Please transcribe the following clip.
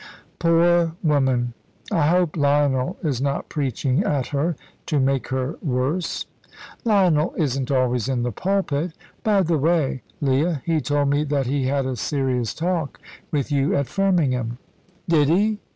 "Poor woman! I hope Lionel is not preaching at her, to make her worse." "Lionel isn't always in the pulpit. By the way, Leah, he told me that he had a serious talk with you at Firmingham." "Did he?